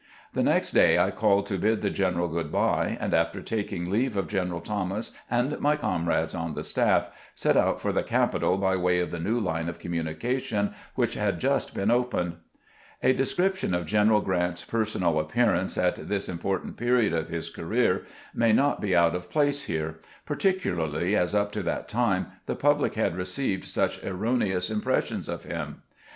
The next day I called to bid the gen eral good by, and, after taking leave of General Thomas and my comrades on the staff, set out for the capital by way of the new line of communication which had just been opened. A description of General Grant's personal appearance at this important period of his career may not be out of place here, particularly as up to that time the public had received such erroneous impressions of him.